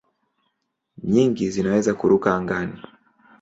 Nyingi zinaweza kuruka angani.